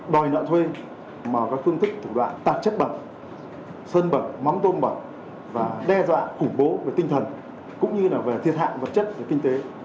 đòi nợ thuê mà có phương thức thủ đoạn tạp chất bẩm sơn bẩm mắm tôm bẩm và đe dọa khủng bố về tinh thần cũng như là về thiệt hạng vật chất và kinh tế